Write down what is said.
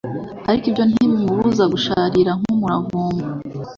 ariko ibyo ntibimubuza gusharira nk'umuravumba